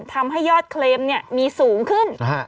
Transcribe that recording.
ทำให้ยอดเคลมมีสูงขึ้น